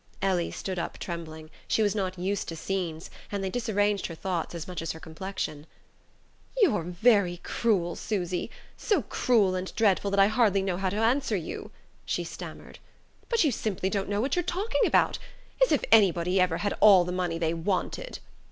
Ellie stood up trembling: she was not used to scenes, and they disarranged her thoughts as much as her complexion. "You're very cruel, Susy so cruel and dreadful that I hardly know how to answer you," she stammered. "But you simply don't know what you're talking about. As if anybody ever had all the money they wanted!"